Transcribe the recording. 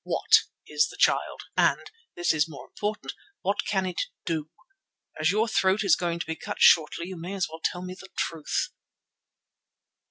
What is the Child, and—this is more important—what can it do? As your throat is going to be cut shortly you may as well tell me the truth."